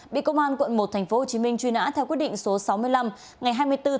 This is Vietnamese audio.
bị công an quận một tp hcm truy nã theo quyết định số sáu mươi năm ngày hai mươi bốn năm hai nghìn bốn